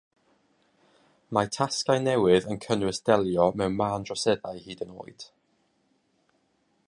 Mae'r tasgau newydd yn cynnwys delio mewn mân droseddau hyd yn oed.